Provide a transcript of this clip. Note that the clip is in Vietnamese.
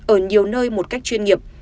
ở nhiều nơi một cách chuyên nghiệp